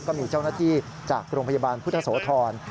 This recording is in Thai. ก็มีเจ้าหน้าที่จากโรงพยาบาลพุทธโสธร